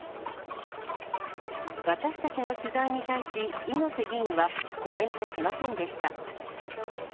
私たちの取材に対し猪瀬議員は、コメントしませんでした。